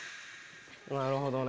なるほどね。